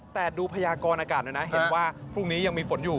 แต่ดูพยากรอากาศหน่อยนะเห็นว่าพรุ่งนี้ยังมีฝนอยู่